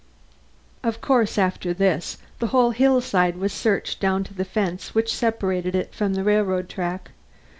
Of course, after this the whole hillside was searched down to the fence which separated it from the railroad track.